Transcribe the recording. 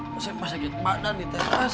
pas sakit badan di teras